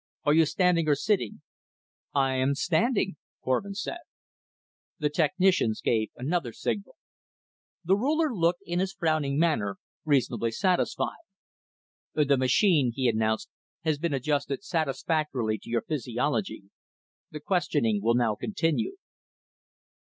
"Are you standing or sitting?" "I am standing," Korvin said. The technicians gave another signal. The Ruler looked, in his frowning manner, reasonably satisfied. "The machine," he announced, "has been adjusted satisfactorily to your physiology. The questioning will now continue."